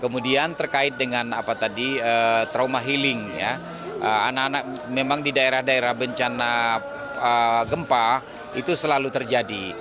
memang di daerah daerah bencana gempa itu selalu terjadi